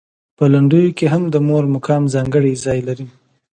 په لنډیو کې هم د مور مقام ځانګړی ځای لري.